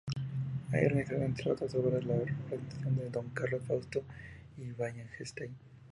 Allí organizó, entre otras obras, la representación de "Don Carlos", "Fausto" y "Wallenstein".